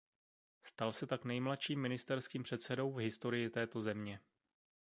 Stal se tak nejmladším ministerským předsedou v historii této země.